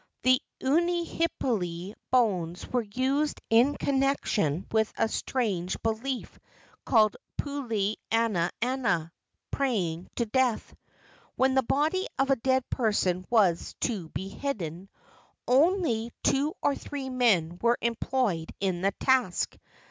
The unihipili bones were used in connection with a strange belief called pule ana ana (praying to death). When the body of a dead person was to be hidden, only two or three men were employed in the task.